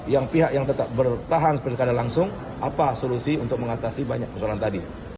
yang pihak yang tetap bertahan langsung apa solusi untuk mengatasi banyak persoalan tadi